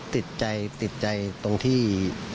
ติดใจติดใจตรงที่